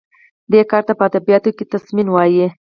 دې کار ته په ادبیاتو کې تضمین وايي.